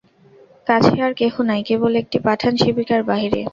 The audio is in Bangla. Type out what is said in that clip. কাছে আর কেহ নাই, কেবল একটি পাঠান শিবিকার বাহিরে।